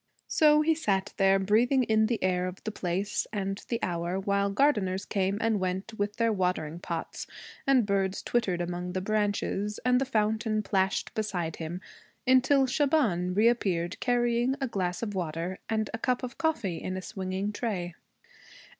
So he sat there, breathing in the air of the place and the hour, while gardeners came and went with their watering pots, and birds twittered among the branches, and the fountain plashed beside him, until Shaban reappeared carrying a glass of water and a cup of coffee in a swinging tray.